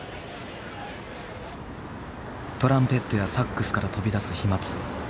トランペットやサックスから飛び出す飛まつ。